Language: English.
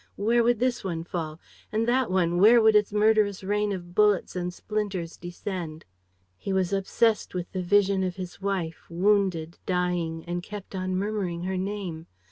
Where would this one fall? And that one, where would its murderous rain of bullets and splinters descend? He was obsessed with the vision of his wife, wounded, dying, and kept on murmuring her name.